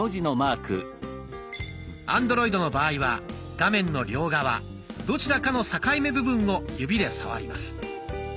アンドロイドの場合は画面の両側どちらかの境目部分を指で触ります。